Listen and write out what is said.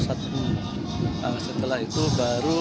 setelah itu baru